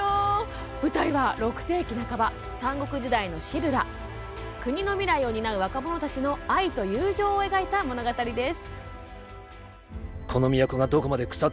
舞台は、６世紀半ば三国時代の新羅国の未来を担う若者たちの愛と友情を描いた物語です。